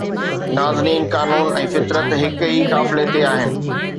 نازنين قانون ۽ فطرت هڪ ئي قافلي تي آهن